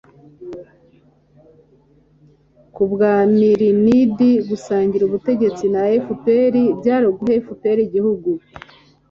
ku bwa mrnd gusangira ubutegetsi na fpr byari uguha fpr igihugu